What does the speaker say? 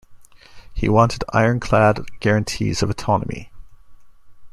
He wanted 'iron clad guarantees of autonomy'.